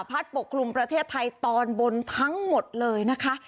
ปกคลุมประเทศไทยตอนบนทั้งหมดเลยนะคะ